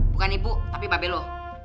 bukan ibu tapi babi lo